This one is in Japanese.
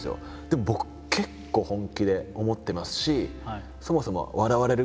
でも僕結構本気で思ってますし。